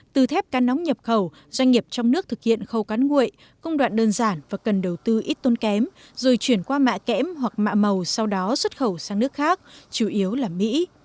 từ thép cá nóng nhập khẩu doanh nghiệp trong nước thực hiện khâu cán nguội công đoạn đơn giản và cần đầu tư ít tốn kém rồi chuyển qua mạ kém hoặc mạ màu sau đó xuất khẩu sang nước khác chủ yếu là mỹ